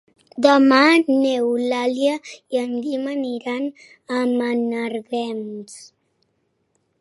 Demà n'Eulàlia i en Guim aniran a Menàrguens.